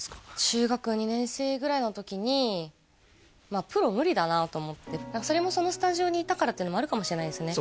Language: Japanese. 中学２年生ぐらいの時にまあプロ無理だなと思ってそれもそのスタジオにいたからっていうのもあるかもしれないですね